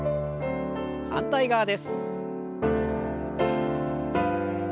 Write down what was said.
反対側です。